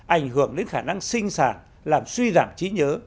ảnh hưởng đến khả năng sinh sản làm suy giảm trí nhớ